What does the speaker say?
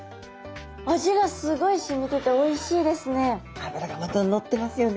味がすごい染みてておいしいですね。